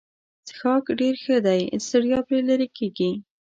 څښاک ډېر ښه دی ستړیا پرې لیرې کیږي.